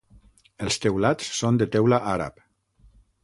Els teulats són de teula àrab.